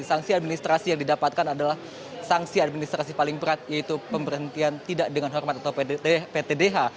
sanksi administrasi yang didapatkan adalah sanksi administrasi paling berat yaitu pemberhentian tidak dengan hormat atau ptdh